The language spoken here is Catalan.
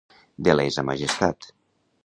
De lesa majestat.